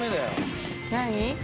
何？